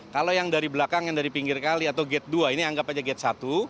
kalau yang dari belakang yang dari pinggir kali atau gate dua ini anggap aja gate satu